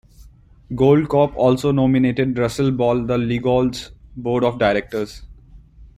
Goldcorp also nominated Russell Ball the Leagold's board of directors.